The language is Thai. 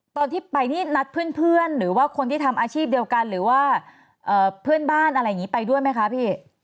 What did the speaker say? ตอนที่ไปนี่นัดเพื่อนหรือว่าคนที่ทำอาชีพเดียวกันหรือว่าเพื่อนบ้านอะไรอย่างนี้ไปด้วยไหมคะพี่